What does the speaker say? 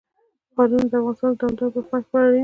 ښارونه د افغانستان د دوامداره پرمختګ لپاره اړین دي.